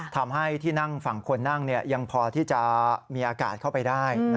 ทำให้ที่นั่งฝั่งคนนั่งยังพอที่จะมีอากาศเข้าไปได้